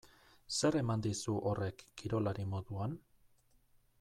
Zer eman dizu horrek kirolari moduan?